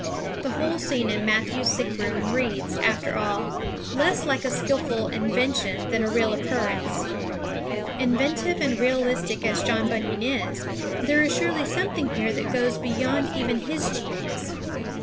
The whole scene in Matthew's sick room reads, after all, less like a skilful invention than a real occurrence. Inventive and realistic as John Bunyan is, there is surely something here that goes beyond even his genius.